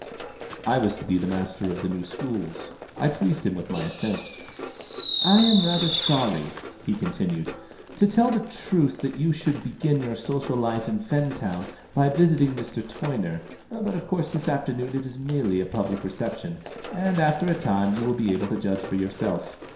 I was to be the master of the new schools. I pleased him with my assent. "I am rather sorry," he continued, "to tell the truth, that you should begin your social life in Fentown by visiting Mr. Toyner; but of course this afternoon it is merely a public reception, and after a time you will be able to judge for yourself.